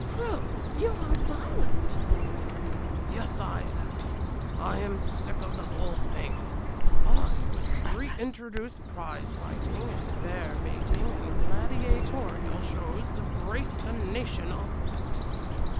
"Crow, you are violent." "Yes, I am. I am sick of the whole thing. I would reintroduce prize fighting and bear baiting and gladiatorial shows to brace the nation up a bit.